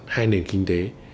hai nền kinh tế